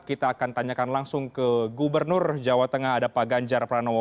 kita akan tanyakan langsung ke gubernur jawa tengah ada pak ganjar pranowo